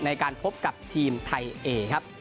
ในการพบกับทีมไทยเอ